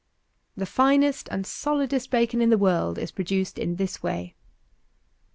The finest and solidest bacon in the world is produced in this way. 263.